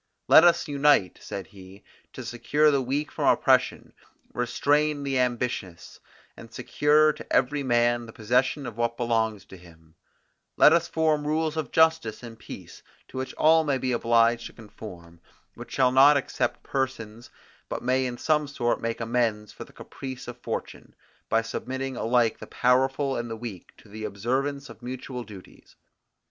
"Let us unite," said he, "to secure the weak from oppression, restrain the ambitious, and secure to every man the possession of what belongs to him: Let us form rules of justice and peace, to which all may be obliged to conform, which shall not except persons, but may in some sort make amends for the caprice of fortune, by submitting alike the powerful and the weak to the observance of mutual duties.